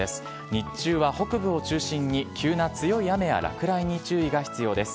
日中は北部を中心に急な強い雨や落雷に注意が必要です。